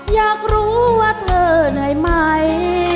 อยากรู้ว่าเธอไหนไหม